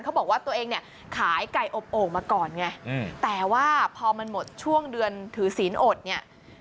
เขาบอกว่าตัวเองเนี่ยขายไก่อบโอ่งมาก่อนไงแต่ว่าพอมันหมดช่วงเดือนถือศีลอดเนี่ย